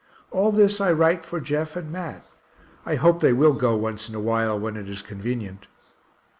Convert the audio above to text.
All this I write for Jeff and Mat I hope they will go once in a while when it is convenient.